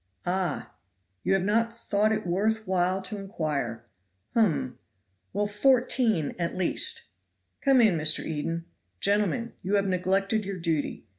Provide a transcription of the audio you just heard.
"Ah, you have not thought it worth while to inquire!! Hum! well, fourteen, at least. Come in, Mr. Eden. Gentlemen, you have neglected your duty.